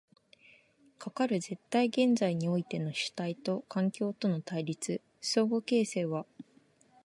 かかる絶対現在においての主体と環境との対立、相互形成は